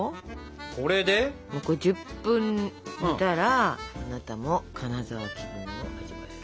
１０分煮たらあなたも金沢気分を味わえる。